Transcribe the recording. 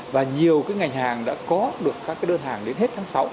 và nhiều cái ngành hàng đã có được các đơn hàng đến hết tháng sáu